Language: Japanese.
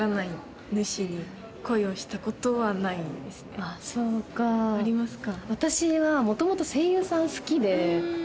実際にああそうかありますか？